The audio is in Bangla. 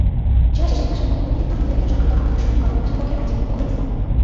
জেরা শেষে আসামিপক্ষের অতিরিক্ত নথি দাখিল-সংক্রান্ত আবেদনের শুনানি করেন আসামিপক্ষের আইনজীবী ফখরুল ইসলাম।